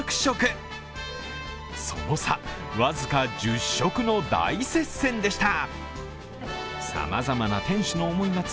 その差僅か１０食の大接戦でした。